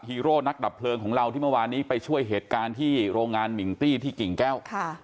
โร่นักดับเพลิงของเราที่เมื่อวานนี้ไปช่วยเหตุการณ์ที่โรงงานมิงตี้ที่กิ่งแก้ว